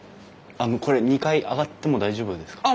あのこれ２階上がっても大丈夫ですか？